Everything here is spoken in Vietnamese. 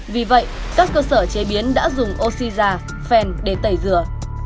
vì vậy các cơ sở chế biến đã dùng oxy già phèn để tẩy rửa